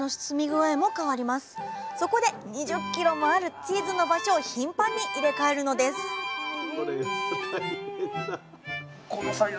そこで２０キロもあるチーズの場所を頻繁に入れ替えるのですあ